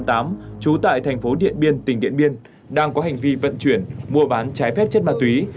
trú tại thành phố điện biên tỉnh điện biên đang có hành vi vận chuyển mua bán trái phép chất ma túy